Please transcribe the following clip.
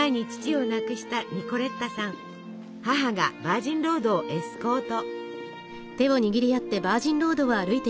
母がバージンロードをエスコート。